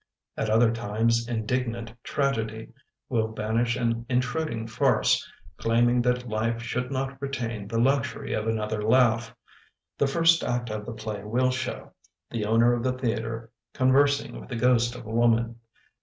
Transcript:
At other times indignant tragedy Will banish an intruding farce, Claiming that life should not retain The luxury of another laugh. The first act of the play will show The owner of the theatre Conversing with the ghost of a woman.